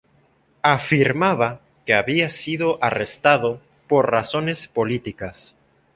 Afirmaba que había sido arrestado por razones políticas.